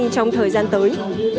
trong thời gian tới